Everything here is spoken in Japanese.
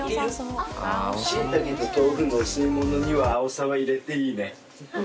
しいたけと豆腐のお吸い物にはあおさは入れていいね。